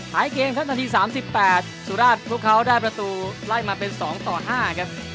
เกมครับนาที๓๘สุราชพวกเขาได้ประตูไล่มาเป็น๒ต่อ๕ครับ